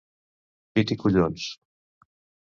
Pit i collons!